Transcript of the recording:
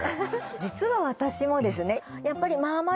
実は私もですね